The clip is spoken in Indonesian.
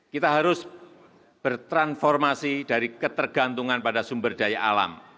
kita harus bertransformasi dari ketergantungan pada sumber daya alam